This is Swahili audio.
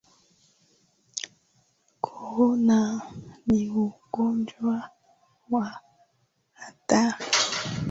Korona ni ugonjwa wa hatari